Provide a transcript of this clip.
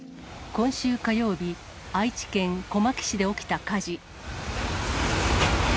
今週火曜日、愛知県小牧市で起きた火事。